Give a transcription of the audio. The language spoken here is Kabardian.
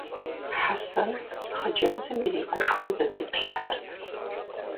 Хьэсэн хъыджэбзым иригушхуэу зэпиплъыхьырт.